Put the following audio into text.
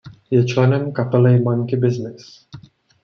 Je členem kapely Monkey Business.